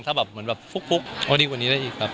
ถ้าแบบเหมือนแบบฟุกพอดีกว่านี้ได้อีกครับ